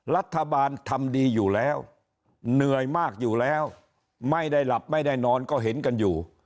รัฐบาลทำดีอยู่แล้วเหนื่อยมากอยู่แล้วไม่ได้หลับไม่ได้นอนก็เห็นกันอยู่